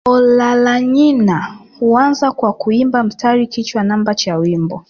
Olaranyani huanza kwa kuimba mstari kichwa namba cha wimbo